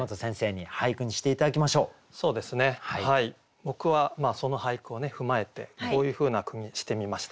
僕はその俳句を踏まえてこういうふうな句にしてみました。